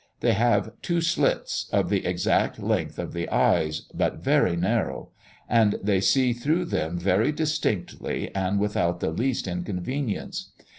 They have two slits, of the exact length of the eyes, but very narrow; and they see through them very distinctly, and without the least inconvenience.